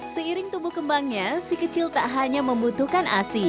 seiring tumbuh kembangnya si kecil tak hanya membutuhkan asi